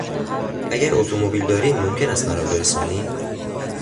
اگر اتومبیل داری ممکن است مرا برسانی؟